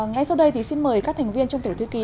ngay sau đây thì xin mời các thành viên trong tiểu thư ký